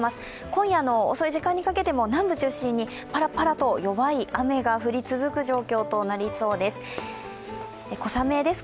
今夜の遅い時間にかけても南部中心にパラパラと弱い雨が降り続く状況となりそうです。